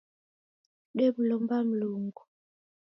Demlomba Mlungu